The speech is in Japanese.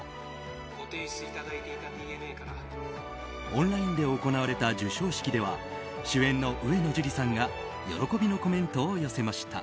オンラインで行われた授賞式では主演の上野樹里さんが喜びのコメントを寄せました。